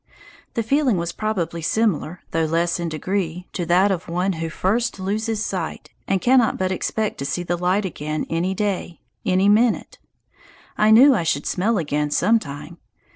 The feeling was probably similar, though less in degree, to that of one who first loses sight and cannot but expect to see the light again any day, any minute. I knew I should smell again some time.